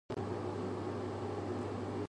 まぢで何してるのか